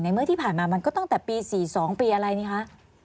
เมื่อที่ผ่านมามันก็ตั้งแต่ปี๔๒ปีอะไรนี่คะ